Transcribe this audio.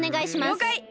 りょうかい！